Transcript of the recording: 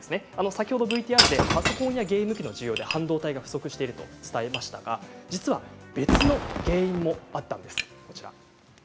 先ほどのＶＴＲでパソコンやゲーム機の半導体が不足しているとお伝えしましたが実は別の原因もあったんです。